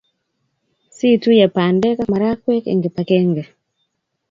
Situiye pandek ak marakwek eng kipakenge